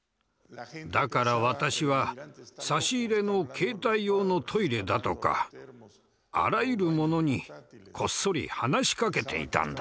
だから私は差し入れの携帯用のトイレだとかあらゆるものにこっそり話しかけていたんだ。